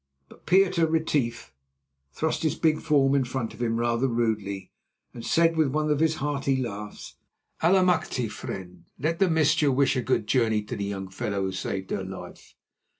But Pieter Retief thrust his big form in front of him rather rudely, and said with one of his hearty laughs: "Allemachte! friend, let the missje wish a good journey to the young fellow who saved her life."